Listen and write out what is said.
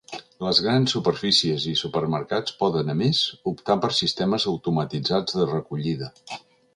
Les grans superfícies i supermercats poden, a més, optar per sistemes automatitzats de recollida.